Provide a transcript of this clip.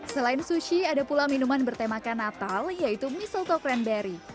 selain sushi ada pula minuman bertemakan natal yaitu misel tokren berry